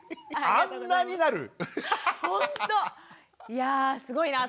いやすごいな。